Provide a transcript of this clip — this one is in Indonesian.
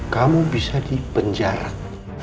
kamu bisa di penjarak